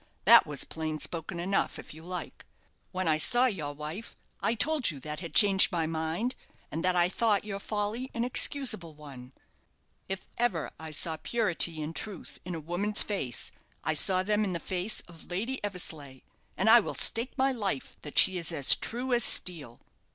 That was plain spoken enough, if you like. When I saw your wife, I told you that had changed my mind, and that I thought your folly an excusable one. If ever I saw purity and truth in a woman's face, I saw them in the face of Lady Eversleigh; and I will stake my life that she is as true as steel."